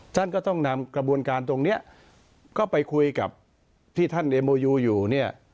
ท่านก็ต้องนำกระบวนการตรงนี้ก็ไปคุยกับที่ท่านเดโมยูอยู่เนี่ย